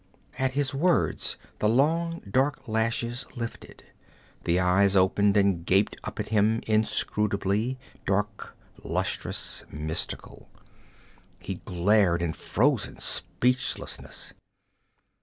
At his words the long dark lashes lifted; the eyes opened and gaped up at him inscrutably, dark, lustrous, mystical. He glared in frozen speechlessness.